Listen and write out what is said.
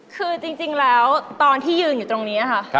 คือจริงแล้วตอนที่ยืนอยู่ตรงนี้ค่ะ